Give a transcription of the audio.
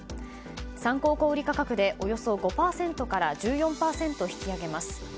参考小売価格でおよそ５％から１４％引き上げます。